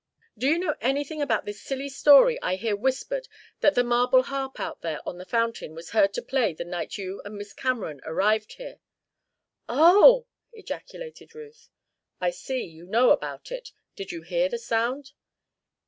"Do you know anything about this silly story I hear whispered that the marble harp out there on the fountain was heard to play the night you and Miss Cameron arrived here?" "Oh!" ejaculated Ruth. "I see you know about it. Did you hear the sound?"